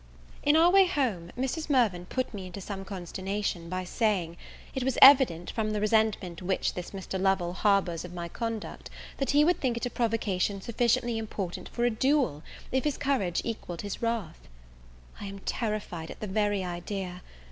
In our way home, Mrs. Mirvan put me into some consternation by saying, it was evident, from the resentment which this Mr. Lovel harbours of my conduct, that he would think it a provocation sufficiently important for a duel, if his courage equaled his wrath. I am terrified at the very idea.